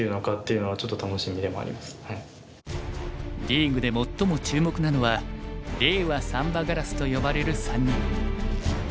リーグで最も注目なのは令和三羽烏と呼ばれる３人。